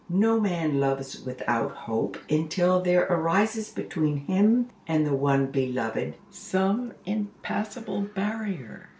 No man loves without hope, until there arises between him and the one beloved some impassable barrier.